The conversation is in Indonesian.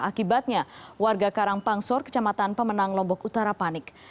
akibatnya warga karangpangsor kecamatan pemenang lombok utara panik